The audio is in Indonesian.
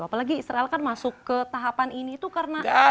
apalagi israel kan masuk ke tahapan ini itu karena ya loas politikasi gitu